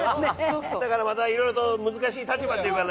だからまたいろいろと難しい立場というか。